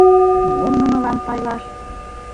Мом нунылан пайлаш?